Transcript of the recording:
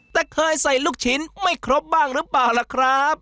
แต่เคยใส่ลูกชิ้นไม่ครบบ้างหรือเปล่าล่ะครับ